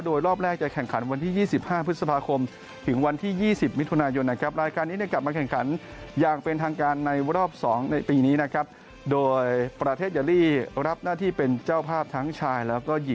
โดยรอบแรกจะแข่งขันวันที่๒๕พฤษภาคม